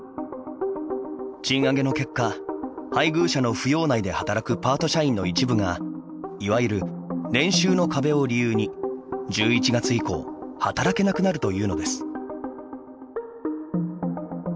賃上げの結果、配偶者の扶養内で働くパート社員の一部がいわゆる「年収の壁」を理由に１１月以降働けなくなるというのです。